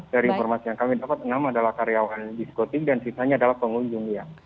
dari informasi yang kami dapat enam adalah karyawan diskotik dan sisanya adalah pengunjung ya